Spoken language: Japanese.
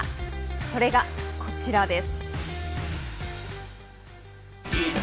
それがこちらです。